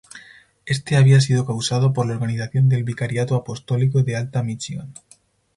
Este había sido causado por la organización del Vicariato Apostólico de Alta Michigan.